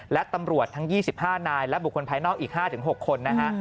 และตำรวจทั้ง๒๕นายและบุคคลภายนอกอีก๕๖คนนะฮะ